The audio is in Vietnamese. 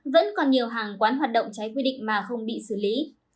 vẫn còn nhiều hàng quán hoạt động trái quy định mà không bị xử lý